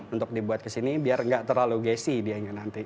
untuk dibuat kesini biar nggak terlalu gasy dianya nanti